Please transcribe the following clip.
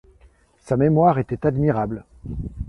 Sa mémoire était admirable.